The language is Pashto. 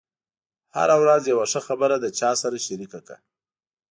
هره ورځ یوه ښه خبره له چا سره شریکه کړه.